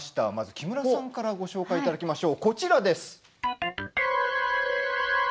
木村さんからご紹介いただきましょうこちらです。